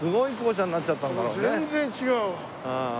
全然違う！